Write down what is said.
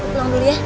pulang dulu ya